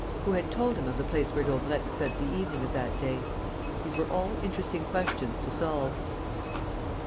Who had told him of the place where Daubrecq spent the evening of that day? These were all interesting questions to solve.